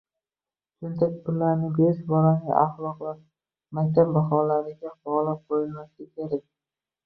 Cho‘ntak pullarini berish bolaning axloqi va maktab baholariga bog‘lab qo‘yilmasligi kerak